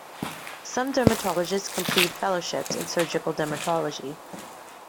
Some dermatologists complete fellowships in surgical dermatology.